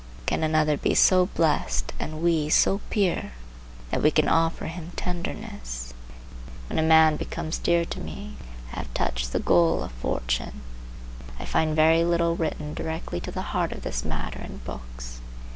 Can another be so blessed and we so pure that we can offer him tenderness? When a man becomes dear to me I have touched the goal of fortune. I find very little written directly to the heart of this matter in books.